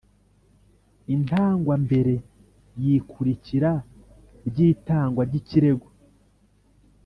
itangwambere yikurikira ryitangwa ry ikirego